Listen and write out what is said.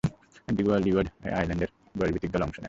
Antigua ও Leeward আইল্যান্ডসের বয়সভিত্তিক দলে অংশ নেন।